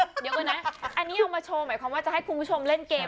เดี๋ยวก่อนนะอันนี้เอามาโชว์หมายความว่าจะให้คุณผู้ชมเล่นเกม